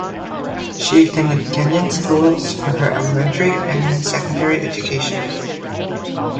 She attended Kenyan schools for her elementary and secondary education.